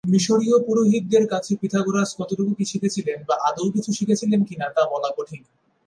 মিশরীয় পুরোহিতদের কাছে পিথাগোরাস কতটুকু কী শিখেছিলেন বা আদৌ কিছু শিখেছিলেন কিনা তা বলা কঠিন।